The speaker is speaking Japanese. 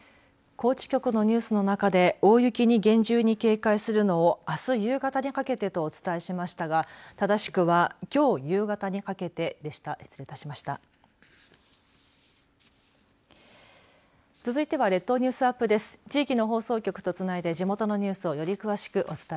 高知局のニュースの中で大雪に厳重に警戒するのをあす夕方にかけてとお伝えしましたがただしくはきょう夕方にかけてでした。